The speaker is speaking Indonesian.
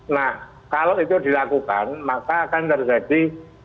nah kalau itu dilakukan maka akan terjadi